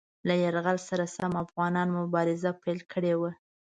له یرغل سره سم افغانانو مبارزه پیل کړې وه.